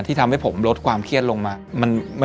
ทำให้ผมลดความเครียดลงมา